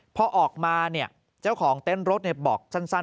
พอออกมาเนี่ยเจ้าของเต็มรถบอกสั้น